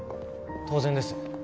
当然です。